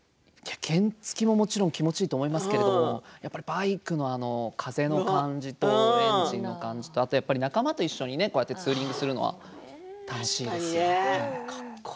原付きも気持ちいいと思いますけれどバイクの風の感じとエンジンの感じとあと仲間と一緒にツーリングをするのは楽しいですよ。